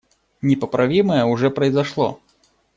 Непоправимое уже произошло.